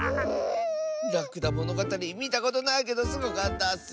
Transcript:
「らくだものがたり」みたことないけどすごかったッス。